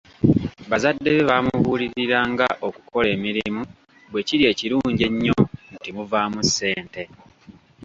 Bazadde be bamubuulirira nga okukola emirimu bwe kiri ekirungi ennyo nti muvaamu ssente.